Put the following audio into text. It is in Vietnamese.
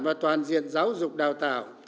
và toàn diện giáo dục đào tạo